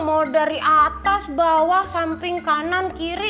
mau dari atas bawah samping kanan kiri